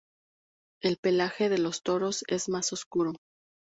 El pelaje de los toros es más oscuro.